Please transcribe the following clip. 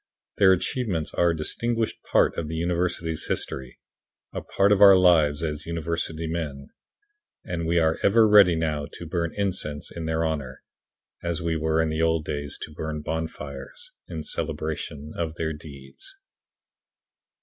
Their achievements are a distinguished part of the university's history a part of our lives as university men and we are ever ready now to burn incense in their honor, as we were in the old days to burn bonfires, in celebration of their deeds.